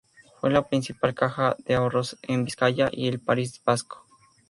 Fue la principal caja de ahorros en Vizcaya y el País Vasco.